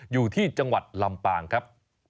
อยู่ที่จังหวัดลำปางครับ